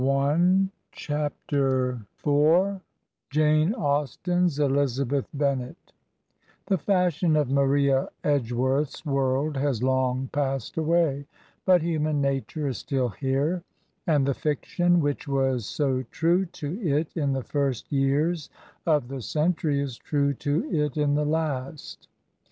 36 Digitized by VjOOQIC JANE AUSTEN'S ELIZABETH BENNET THE fashion of Maria Edgeworth's world has long passed away, but human nature is still here, and the fiction which was so true to it in the first years of the century is true to it in the last.